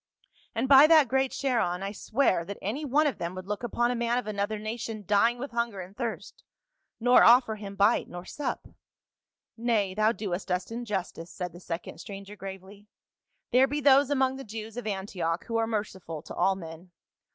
"And by that great Charon, I swear that any one of them would look upon a man of another na tion dying with hunger and thirst — nor offer him bite nor sup !"" Nay, thou doest us injustice," said the second stranger gravely, " there be those among the Jews of Antioch who are merciful to all men.